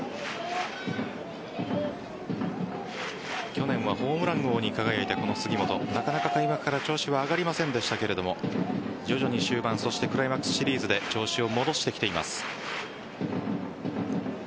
去年はホームラン王に輝いたこの杉本なかなか開幕から調子は上がりませんでしたが徐々に終盤、そしてクライマックスシリーズで調子を戻してきています。